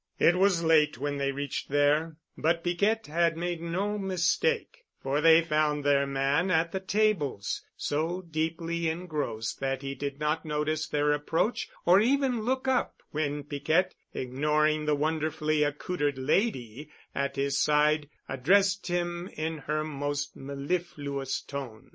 It was late when they reached there, but Piquette had made no mistake, for they found their man at the tables, so deeply engrossed that he did not notice their approach or even look up when Piquette, ignoring the wonderfully accoutered lady at his side, addressed him in her most mellifluous tone.